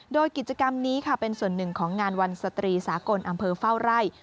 โดยกิจกรรมนี้ค่ะเป็นส่วนหนึ่งของงานวันสตรีสากลอำเภอเฝ้าไร่